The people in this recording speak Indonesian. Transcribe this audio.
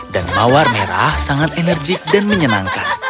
dan mawar merah sangat enerjik dan menyenangkan